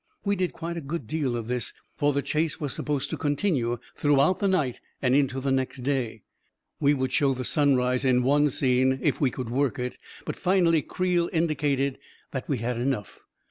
We did quite a good deal of this, for the chase was supposed to continue throughout the night and into the next day — we would show the sunrise in one scene, if we could work it; but finally Creel indi cated that we had enough.